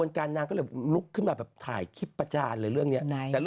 นางคิดแบบว่าไม่ไหวแล้วไปกด